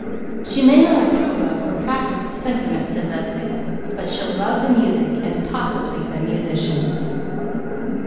"She may not approve of, or practise, the sentiment," said Leslie, "but she'll love the music and possibly the musician."